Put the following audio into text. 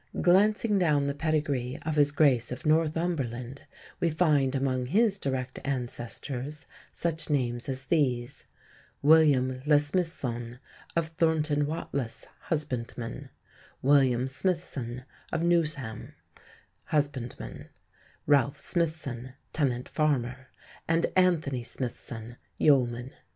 Glancing down the pedigree of his Grace of Northumberland, we find among his direct ancestors such names as these, William le Smythesonne, of Thornton Watlous, husbandman; William Smitheson, of Newsham, husbandman; Ralph Smithson, tenant farmer; and Anthony Smithson, yeoman.